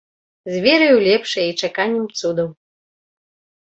З верай у лепшае і чаканнем цудаў.